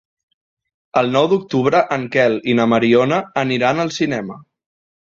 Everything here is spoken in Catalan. El nou d'octubre en Quel i na Mariona aniran al cinema.